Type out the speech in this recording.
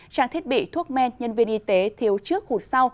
trang thiết bị thuốc men nhân viên y tế thiếu trước